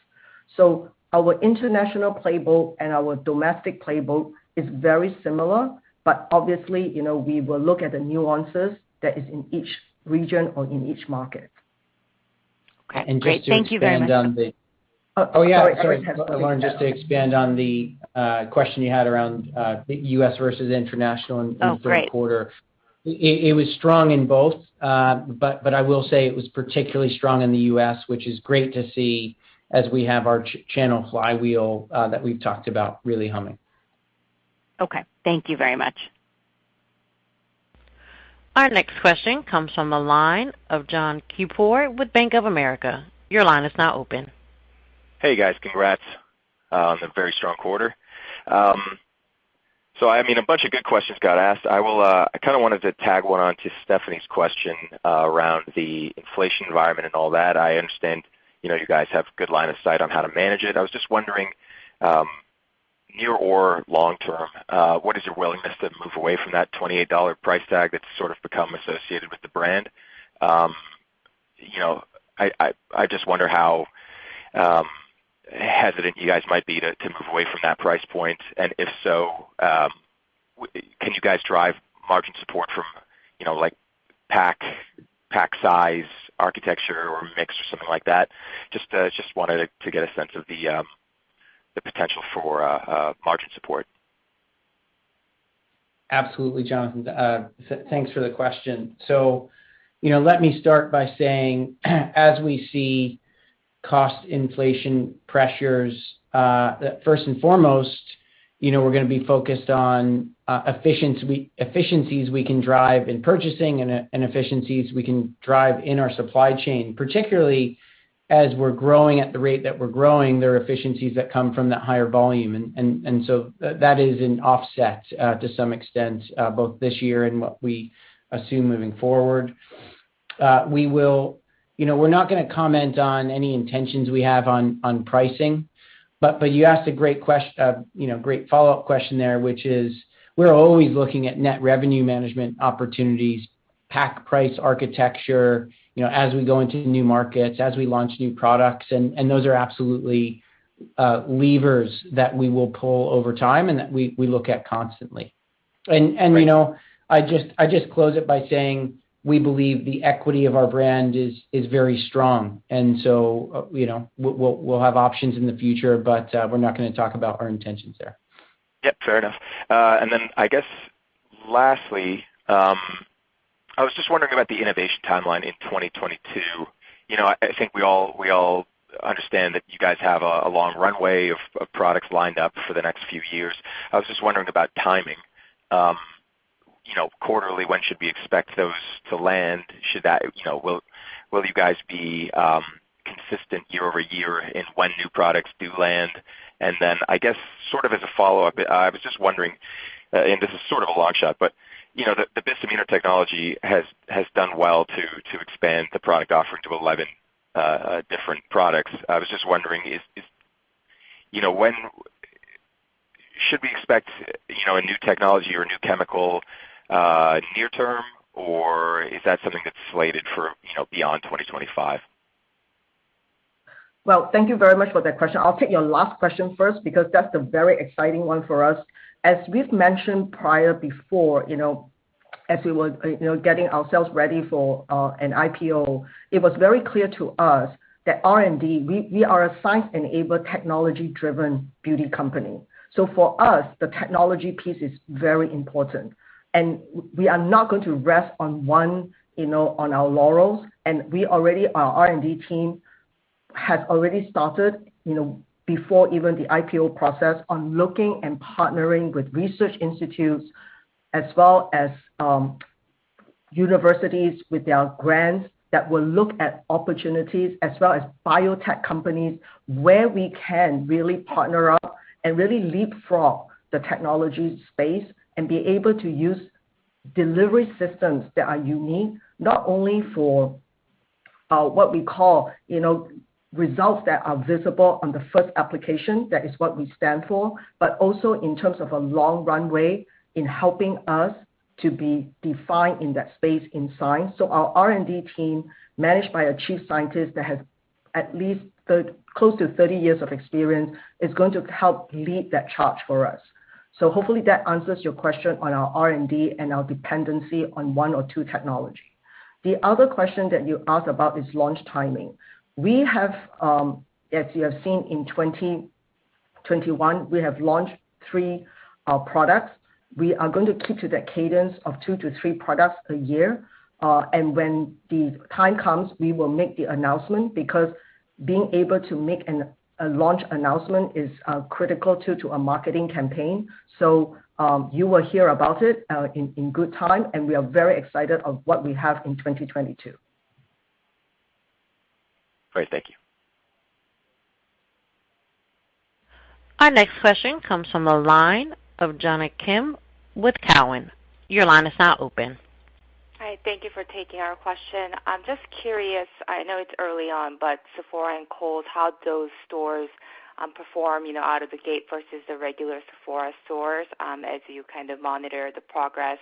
Our international playbook and our domestic playbook is very similar, but obviously, you know, we will look at the nuances that is in each region or in each market. Okay, great. Thank you very much. Just to expand on the. Oh, sorry. Oh, yeah, sorry. Lauren, just to expand on the question you had around the U.S. versus international in the fourth quarter. It was strong in both, but I will say it was particularly strong in the U.S., which is great to see as we have our channel flywheel that we've talked about really humming. Okay, thank you very much. Our next question comes from the line of [John Kipper] with Bank of America. Your line is now open. Hey, guys. Congrats on a very strong quarter. I mean, a bunch of good questions got asked. I kind of wanted to tag one on to Stephanie's question around the inflation environment and all that. I understand, you know, you guys have good line of sight on how to manage it. I was just wondering, near-or long-term, what is your willingness to move away from that $28 price tag that's sort of become associated with the brand? You know, I just wonder how hesitant you guys might be to move away from that price point, and if so, can you guys drive margin support from, you know, like pack size, architecture or mix or something like that? Just wanted to get a sense of the potential for margin support. Absolutely, Jonathan. Thanks for the question. You know, let me start by saying, as we see cost inflation pressures, first and foremost, you know, we're gonna be focused on efficiencies we can drive in purchasing and efficiencies we can drive in our supply chain, particularly as we're growing at the rate that we're growing, there are efficiencies that come from that higher volume. That is an offset to some extent both this year and what we assume moving forward. We will. You know, we're not gonna comment on any intentions we have on pricing, but you asked a great follow-up question there, which is, we're always looking at net revenue management opportunities, pack price architecture, you know, as we go into new markets, as we launch new products, and those are absolutely levers that we will pull over time and that we look at constantly. You know, I just close it by saying we believe the equity of our brand is very strong. You know, we'll have options in the future, but we're not gonna talk about our intentions there. Yep, fair enough. I guess lastly, I was just wondering about the innovation timeline in 2022. You know, I think we all understand that you guys have a long runway of products lined up for the next few years. I was just wondering about timing. Quarterly, when should we expect those to land? Will you guys be consistent year-over-year in when new products do land? I guess sort of as a follow-up, I was just wondering, and this is sort of a long shot, the Bis-Aminopropyl technology has done well to expand the product offering to 11 different products. I was just wondering, you know, should we expect, you know, a new technology or a new chemical near-term, or is that something that's slated for, you know, beyond 2025? Well, thank you very much for that question. I'll take your last question first because that's the very exciting one for us. As we've mentioned prior before, you know, as we were, you know, getting ourselves ready for an IPO, it was very clear to us that R&D, we are a science-enabled, technology-driven beauty company. So for us, the technology piece is very important. We are not going to rest on one, you know, on our laurels. We already, our R&D team has already started, you know, before even the IPO process on looking and partnering with research institutes as well as, universities with their grants that will look at opportunities as well as biotech companies where we can really partner up and really leapfrog the technology space and be able to use delivery systems that are unique, not only for, what we call, you know, results that are visible on the first application, that is what we stand for, but also in terms of a long runway in helping us to be defined in that space in science. Our R&D team, managed by a Chief Scientist that has at least close to 30 years of experience, is going to help lead that charge for us. Hopefully that answers your question on our R&D and our dependency on one or two technology. The other question that you asked about is launch timing. We have, as you have seen in 2021, we have launched three products. We are going to keep to that cadence of two to three products a year. And when the time comes, we will make the announcement because being able to make a launch announcement is critical to a marketing campaign. You will hear about it in good time, and we are very excited of what we have in 2022. Great. Thank you. Our next question comes from the line of Jonna Kim with Cowen. Your line is now open. Hi. Thank you for taking our question. I'm just curious. I know it's early on, but Sephora at Kohl's, how'd those stores perform, you know, out of the gate versus the regular Sephora stores, as you kind of monitor the progress?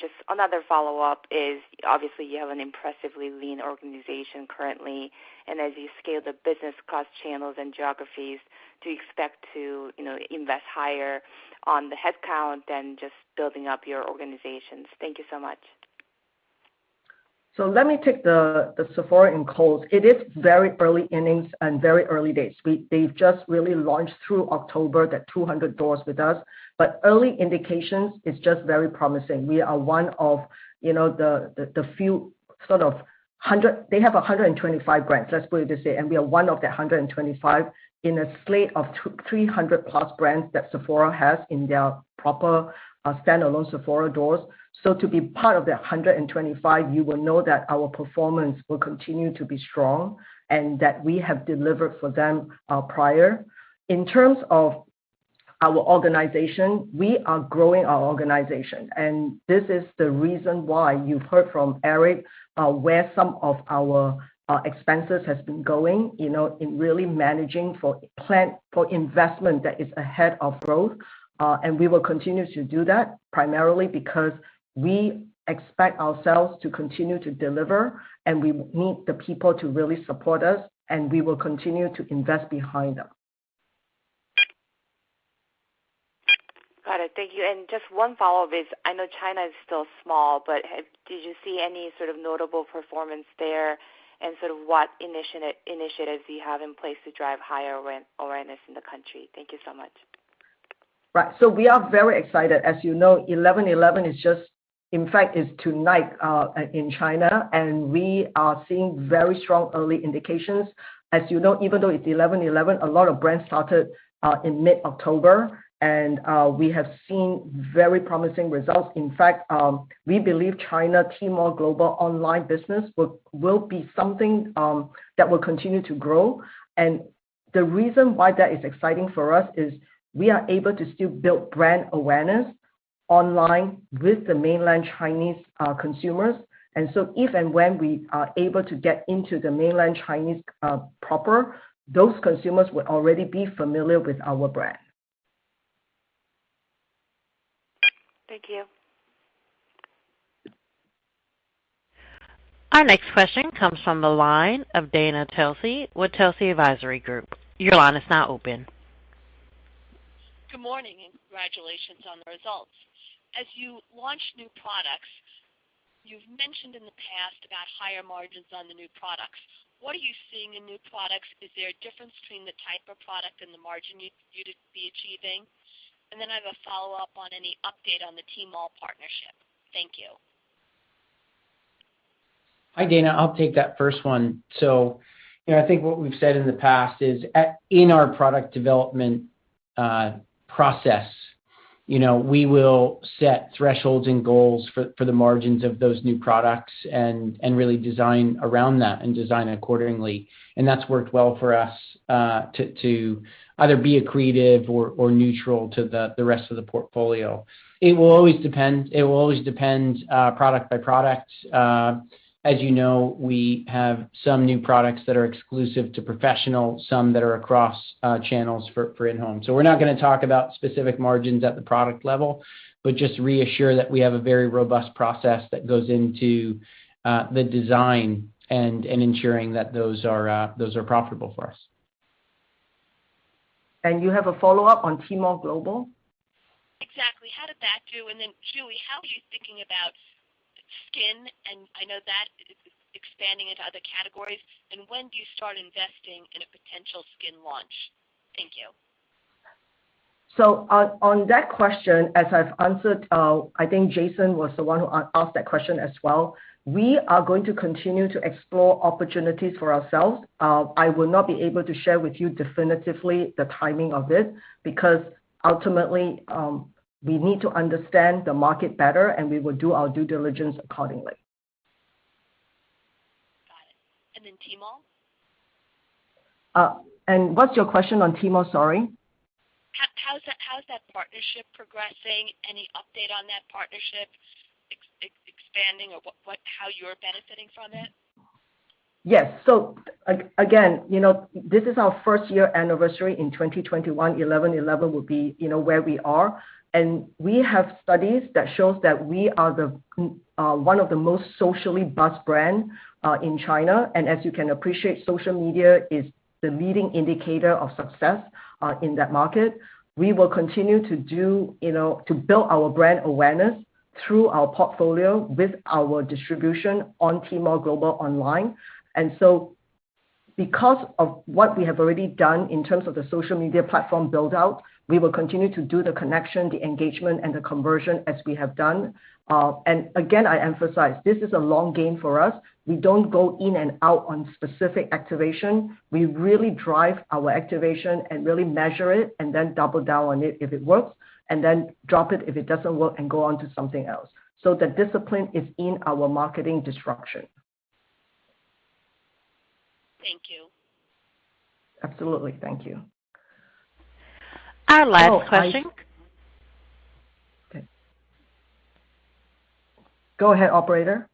Just another follow-up is obviously you have an impressively lean organization currently, and as you scale the business across channels and geographies, do you expect to, you know, invest higher on the headcount than just building up your organizations? Thank you so much. Let me take the Sephora at Kohl's. It is very early innings and very early days. They've just really launched through October the 200 doors with us. But early indications is just very promising. We are one of the few, sort of. They have 125 brands, let's put it this way, and we are one of the 125 in a slate of 300+ brands that Sephora has in their proper standalone Sephora doors. To be part of that 125, you will know that our performance will continue to be strong and that we have delivered for them prior. In terms of our organization, we are growing our organization, and this is the reason why you've heard from Eric, where some of our expenses has been going, you know, in really managing for investment that is ahead of growth. We will continue to do that primarily because we expect ourselves to continue to deliver, and we need the people to really support us, and we will continue to invest behind them. Got it. Thank you. Just one follow-up is I know China is still small, but did you see any sort of notable performance there? Sort of what initiatives do you have in place to drive higher awareness in the country? Thank you so much. Right. We are very excited. As you know, 11.11 is just, in fact, tonight in China, and we are seeing very strong early indications. As you know, even though it's 11.11, a lot of brands started in mid-October, and we have seen very promising results. In fact, we believe China Tmall Global online business will be something that will continue to grow. The reason why that is exciting for us is we are able to still build brand awareness online with the mainland Chinese consumers. If and when we are able to get into the mainland Chinese proper, those consumers will already be familiar with our brand. Thank you. Our next question comes from the line of Dana Telsey with Telsey Advisory Group. Your line is now open. Good morning and congratulations on the results. As you launch new products, you've mentioned in the past about higher margins on the new products. What are you seeing in new products? Is there a difference between the type of product and the margin you would be achieving? I have a follow-up on any update on the Tmall partnership. Thank you. Hi, Dana. I'll take that first one. You know, I think what we've said in the past is in our product development process, you know, we will set thresholds and goals for the margins of those new products and really design around that and design it accordingly. That's worked well for us to either be accretive or neutral to the rest of the portfolio. It will always depend, product-by-product. As you know, we have some new products that are exclusive to professional, some that are across channels for at home. We're not gonna talk about specific margins at the product level, but just reassure that we have a very robust process that goes into the design and ensuring that those are profitable for us. You have a follow-up on Tmall Global? Exactly. How did that do? Then, JuE, how are you thinking about skin? I know that is expanding into other categories, and when do you start investing in a potential skin launch? Thank you. On that question, as I've answered, I think Jason was the one who asked that question as well. We are going to continue to explore opportunities for ourselves. I will not be able to share with you definitively the timing of this because ultimately, we need to understand the market better, and we will do our due diligence accordingly. Got it. Tmall? What's your question on Tmall, sorry? How's that partnership progressing? Any update on that partnership expanding or what, how you're benefiting from it? Yes. Again, you know, this is our first year anniversary in 2021. 11.11 will be, you know, where we are. We have studies that shows that we are the one of the most socially buzzed brand in China. As you can appreciate, social media is the leading indicator of success in that market. We will continue to do, you know, to build our brand awareness through our portfolio with our distribution on Tmall Global online. Because of what we have already done in terms of the social media platform build-out, we will continue to do the connection, the engagement, and the conversion as we have done. Again, I emphasize, this is a long game for us. We don't go in and out on specific activation. We really drive our activation and really measure it and then double down on it if it works, and then drop it if it doesn't work and go on to something else. The discipline is in our marketing disruption. Thank you. Absolutely. Thank you. Our last question. Go ahead, operator.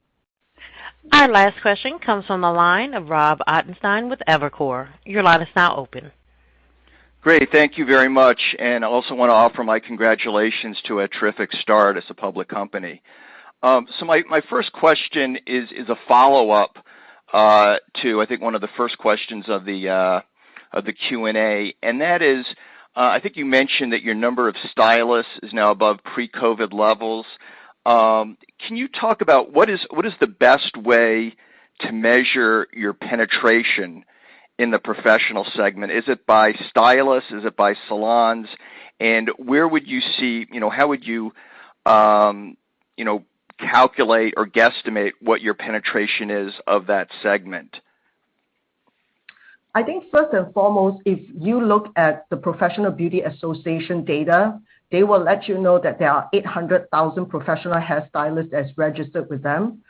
Our last question comes from the line of Robert Ottenstein with Evercore. Your line is now open. Great. Thank you very much. I also wanna offer my congratulations to a terrific start as a public company. My first question is a follow-up to I think one of the first questions of the Q&A, and that is, I think you mentioned that your number of stylists is now above pre-COVID levels. Can you talk about what is the best way to measure your penetration in the professional segment? Is it by stylists? Is it by salons? And where would you see, you know, how would you know, calculate or guesstimate what your penetration is of that segment? I think first and foremost, if you look at the Professional Beauty Association data, they will let you know that there are 800,000 professional hairstylists that's registered with them.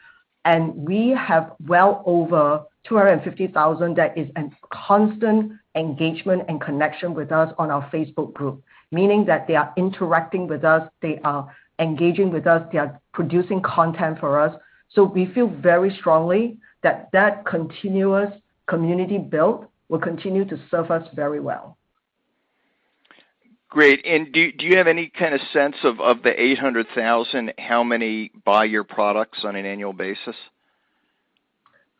We have well over 250,000 that is in constant engagement and connection with us on our Facebook group. Meaning that they are interacting with us, they are engaging with us, they are producing content for us. We feel very strongly that that continuous community build will continue to serve us very well. Great. Do you have any kind of sense of the 800,000, how many buy your products on an annual basis?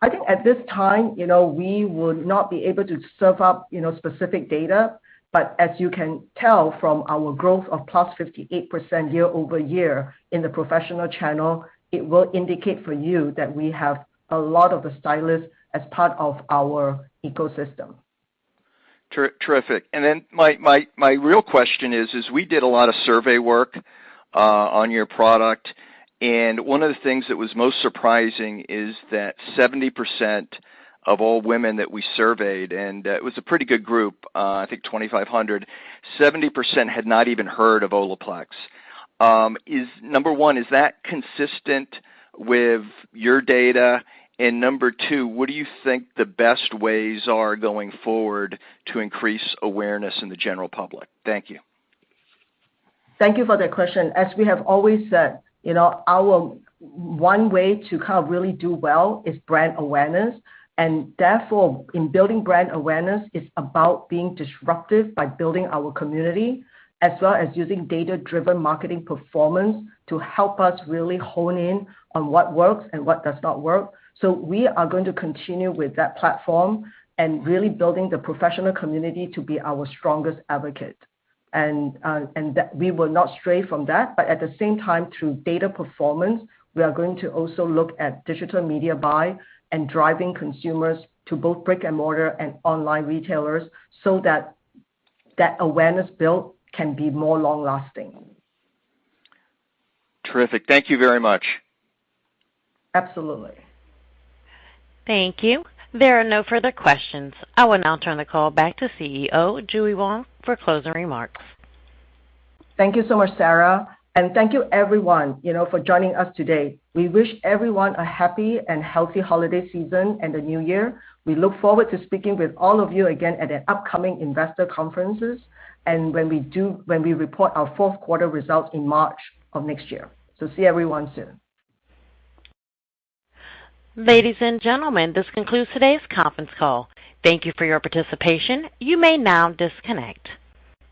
I think at this time, you know, we would not be able to serve up, you know, specific data. As you can tell from our growth of +58% year-over-year in the professional channel, it will indicate for you that we have a lot of the stylists as part of our ecosystem. Terrific. My real question is we did a lot of survey work on your product, and one of the things that was most surprising is that 70% of all women that we surveyed, and it was a pretty good group, I think 2,500, 70% had not even heard of Olaplex. Number one, is that consistent with your data? Number two, what do you think the best ways are going forward to increase awareness in the general public? Thank you. Thank you for that question. As we have always said, you know, our one way to kind of really do well is brand awareness. Therefore, in building brand awareness, it's about being disruptive by building our community as well as using data-driven marketing performance to help us really hone in on what works and what does not work. We are going to continue with that platform and really building the professional community to be our strongest advocate. That we will not stray from that. At the same time, through data performance, we are going to also look at digital media buy and driving consumers to both brick-and-mortar and online retailers so that that awareness build can be more long-lasting. Terrific. Thank you very much. Absolutely. Thank you. There are no further questions. I will now turn the call back to CEO JuE Wong for closing remarks. Thank you so much, Sarah. Thank you everyone, you know, for joining us today. We wish everyone a happy and healthy holiday season and a new year. We look forward to speaking with all of you again at the upcoming investor conferences and when we report our fourth quarter results in March of next year. See everyone soon. Ladies and gentlemen, this concludes today's conference call. Thank you for your participation. You may now disconnect.